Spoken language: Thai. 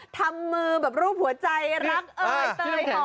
ทำมือแบบรูปหัวใจรักเอ่ยเตยห่อ